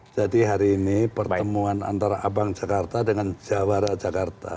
jadi hari ini pertemuan antara abang jakarta dengan jawara jakarta